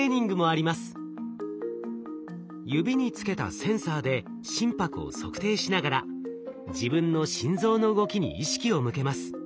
指につけたセンサーで心拍を測定しながら自分の心臓の動きに意識を向けます。